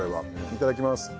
いただきます。